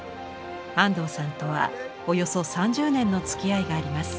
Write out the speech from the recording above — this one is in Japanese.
安藤さんとはおよそ３０年のつきあいがあります。